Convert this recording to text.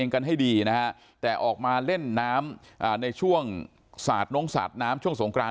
กันให้ดีนะฮะแต่ออกมาเล่นน้ำในช่วงสาดน้องสาดน้ำช่วงสงกราน